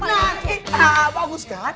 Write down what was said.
nah kita bagus kan